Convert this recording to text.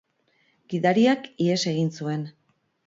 Gidariak ihes egin zuen.